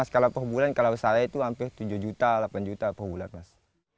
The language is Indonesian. kalau perbulan kalau saya itu hampir tujuh juta delapan juta perbulan mas